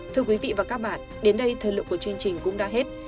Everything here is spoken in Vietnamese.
thưa quý vị và các bạn đến đây thời lượng của chương trình cũng đã hết